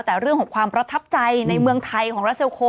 แต่เรื่องของความประทับใจในเมืองไทยของรัสเซลโค